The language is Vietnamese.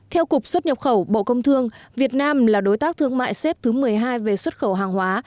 theo cục xuất nhập khẩu bộ công thương việt nam là đối tác thương mại xếp thứ một mươi hai về xuất khẩu hàng hóa